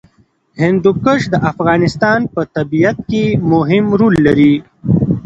هندوکش د افغانستان په طبیعت کې مهم رول لري.